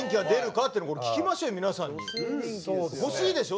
欲しいでしょ？